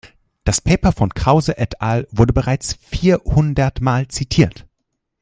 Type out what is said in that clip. Das Paper von Krause et al. wurde bereits vierhundertmal zitiert.